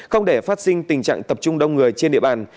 không để phát sinh tình trạng tập trung đông người trên địa bàn